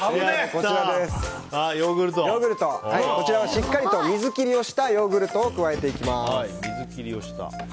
しっかりと水切りをしたヨーグルトを加えていきます。